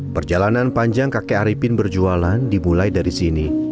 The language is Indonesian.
perjalanan panjang kakek arifin berjualan dimulai dari sini